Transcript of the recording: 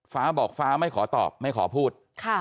ฟ้าบอกฟ้าไม่ขอตอบไม่ขอพูด